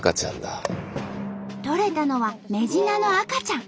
とれたのはメジナの赤ちゃん。